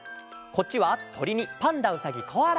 こっちは「とり」に「パンダうさぎコアラ」。